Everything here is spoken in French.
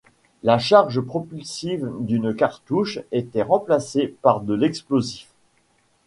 La charge propulsive d’une cartouche était remplacée par de l’explosif.